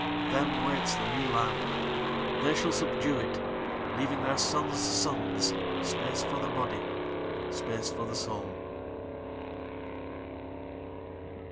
Them waits the New Land; They shall subdue it, Leaving their sons' sonsSpace for the body, Space for the soul.